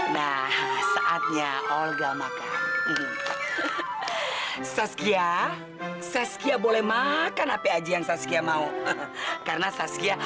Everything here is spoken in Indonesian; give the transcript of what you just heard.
nah saatnya olga makan saskia saskia boleh makan apa aja yang saskia mau karena saskia